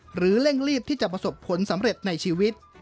เร่งรีบที่จะประสบผลสำเร็จในชีวิต